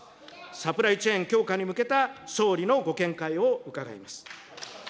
サプライチェーン強化に向けた、総理のご見解を伺います。